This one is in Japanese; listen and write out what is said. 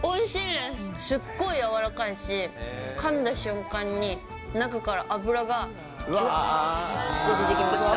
すっごい柔らかいし、かんだ瞬間に、中から脂がじゅわーっと出てきました。